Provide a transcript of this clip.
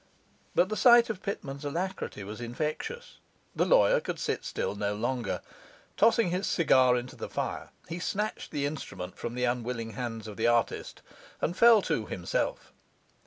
But the sight of Pitman's alacrity was infectious. The lawyer could sit still no longer. Tossing his cigar into the fire, he snatched the instrument from the unwilling hands of the artist, and fell to himself.